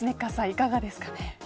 いかがですか。